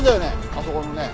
あそこのね。